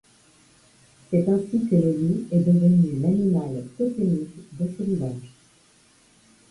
C'est ainsi que le loup est devenu l'animal totémique de ce village.